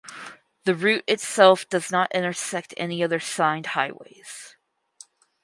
The route itself does not intersect any other signed highways.